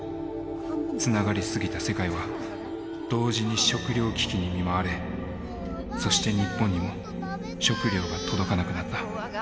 つながり過ぎた世界は同時に食料危機に見舞われそして日本にも食料が届かなくなった。